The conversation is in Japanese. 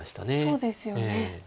そうですよね。